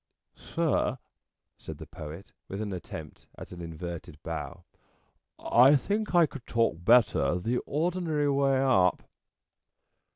" Sir," said the Poet, with an attempt at an inverted bow, " I think I could talk better the ordinary way up."